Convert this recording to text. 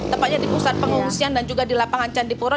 tepatnya di pusat pengungsian dan juga di lapangan candipuro